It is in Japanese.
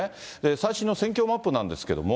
最新の戦況マップなんですけども。